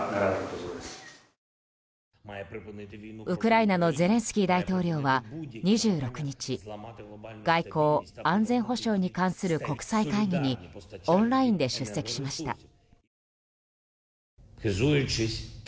ウクライナのゼレンスキー大統領は２６日外交・安全保障に関する国際会議にオンラインで出席しました。